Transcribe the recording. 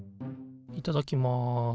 いただきます。